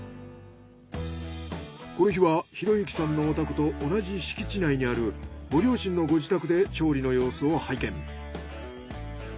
この日は裕幸さんのお宅と同じ敷地内にあるご両親のご自宅で調理の様子を拝見。